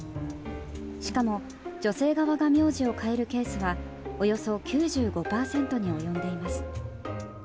しかも、女性側が名字を変えるケースはおよそ９５％に及んでいます。